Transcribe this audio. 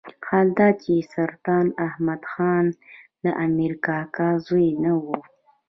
حال دا چې سلطان احمد خان د امیر کاکا زوی نه وو.